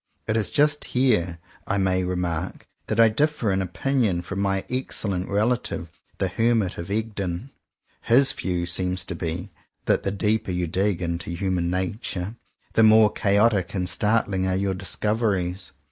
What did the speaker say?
It is just here I may remark that I differ in opinion from my excellent relative, the 150 JOHN COWPER POWYS Hermit of Egdon. His view seems to be that the deeper you dig into human nature, the more chaotic and startHng are your dis coveries.